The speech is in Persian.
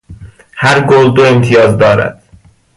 هر گل دو امتیاز دارد.